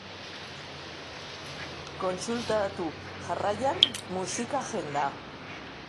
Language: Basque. Kontsultatu, jarraian, musika-agenda.